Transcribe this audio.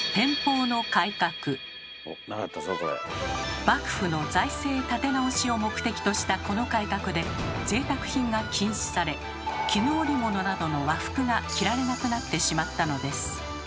それが幕府の財政立て直しを目的としたこの改革でぜいたく品が禁止され絹織物などの和服が着られなくなってしまったのです。